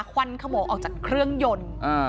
ควันขโมงออกจากเครื่องยนต์